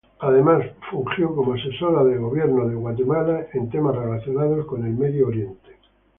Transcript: Además fungió como asesora de gobierno para Guatemala en temas relacionados al Medio Oriente.